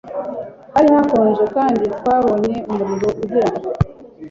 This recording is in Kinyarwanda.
Hari hakonje kandi twabonye umuriro ugenda.